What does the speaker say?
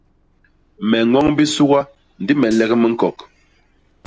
Me ñoñ bisuga ndi me lek miñkok.